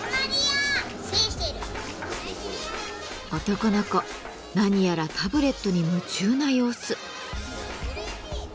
男の子何やらタブレットに夢中な様子。